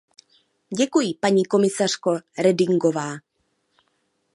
Děkuji, paní komisařko Redingová.